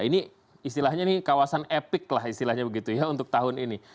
ini istilahnya ini kawasan epic lah istilahnya begitu ya untuk tahun ini